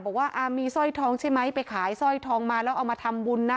บอกว่ามีสร้อยทองใช่ไหมไปขายสร้อยทองมาแล้วเอามาทำบุญนะ